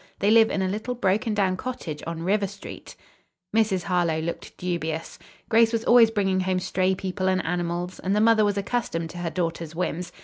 They live in a little broken down cottage on River Street." Mrs. Harlowe looked dubious. Grace was always bringing home stray people and animals, and the mother was accustomed to her daughter's whims.